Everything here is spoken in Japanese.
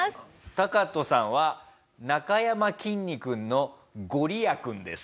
タカトさんは。なかやまきんに君のごりや君です。